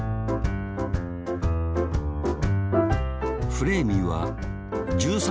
フレーミーは１３